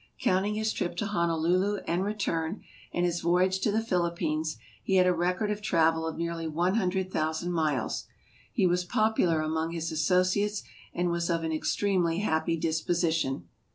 Counting his trip to Hono lulu and return and his voyage to the Philippines, he had a record of travel of nearly one hundred thousand miles. He was popular among his associates and was of an extremely happy disposition.